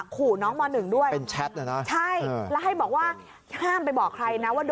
ขู่น้องม๑ด้วยเป็นแชทเลยนะใช่แล้วให้บอกว่าห้ามไปบอกใครนะว่า